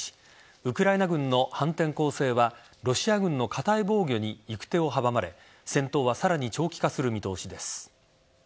ウクライナ軍の反転攻勢はロシア軍の堅い防御に行く手を阻まれ戦闘はさらに長期化する見通しです。